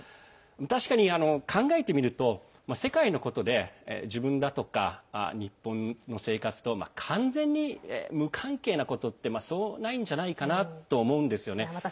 確かに考えてみると世界のことで自分だとか日本の生活と完全に無関係なことってそうないんじゃないかなと思うんですよね。